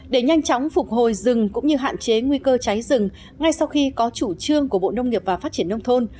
để nhanh chóng phục hồi rừng cũng như hạn chế nguy cơ cháy rừng ngay sau khi có chủ trương của bộ nông nghiệp và phát triển nông thôn